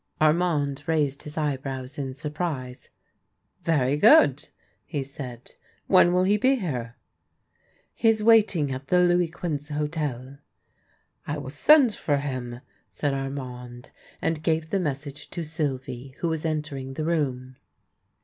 Armand raised his eyebrows in surprise, " Very good," he said. " When will he be here? "" He is waiting at the Louis Quinze hotel." " I will send for him," said Armand, and gave the message to Sylvie, who was entering the room.